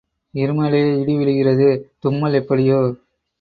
இருமலே இடி விழுகிறது தும்மல் எப்படியோ?